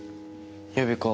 予備校。